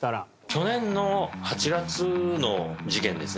去年の８月の事件ですね